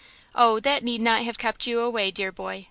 "Oh, that need not have kept you away, dear boy!